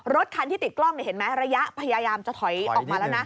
รถคันที่ติดกล้องเห็นไหมระยะพยายามจะถอยออกมาแล้วนะ